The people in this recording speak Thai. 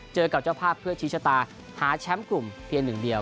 เจอกับเจ้าภาพเพื่อชี้ชะตาหาแชมป์กลุ่มเพียงหนึ่งเดียว